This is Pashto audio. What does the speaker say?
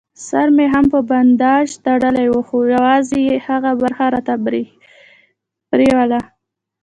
سر مې هم په بنداژ تړلی و، خو یوازې یې هغه برخه راته پرېولل.